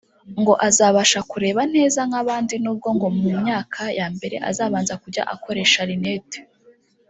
ngo azabasha kureba neza nk’abandi nubwo ngo mu myaka ya mbere azabanza kujya akoresha lunettes